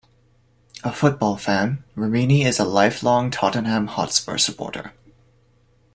A football fan, Ramini is a lifelong Tottenham Hotspur supporter.